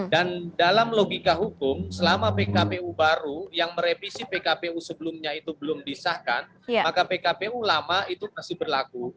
dan dalam logika hukum selama pkpu baru yang merevisi pkpu sebelumnya itu belum disahkan maka pkpu lama itu masih berlaku